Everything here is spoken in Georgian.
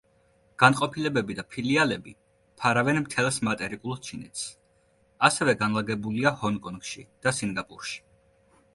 განყოფილებები და ფილიალები ფარავენ მთელს მატერიკულ ჩინეთს, ასევე განლაგებულია ჰონკონგში და სინგაპურში.